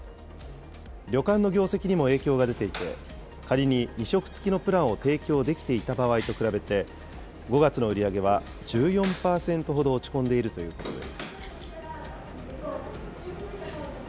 旅館の業績にも影響が出ていて、仮に２食付きのプランを提供できていた場合と比べて、５月の売り上げは１４％ほど落ち込んでいるということです。